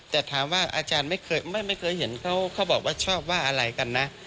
แต่ถามว่าอาจารย์ไม่เคยเห็นเขาบอกว่าชอบว่าอะไรกันนะ